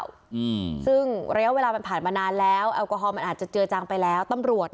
อืมซึ่งเรียกว่าเวลามันผ่านมานานแล้วแอลกอฮอล์มันอาจจะเจอจังไปแล้ว